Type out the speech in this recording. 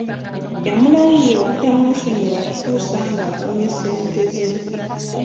Yamulayirira obutamwesonyiwa okutuusa ng'afunye ssente ze.